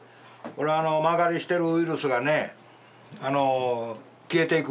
まがりしてるウイルスがね消えていく。